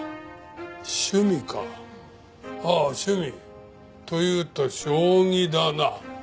趣味かああ趣味。というと将棋だな。